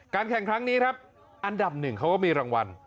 แข่งครั้งนี้ครับอันดับหนึ่งเขาก็มีรางวัล